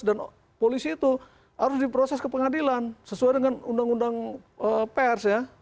dan polisi itu harus diproses ke pengadilan sesuai dengan undang undang pers ya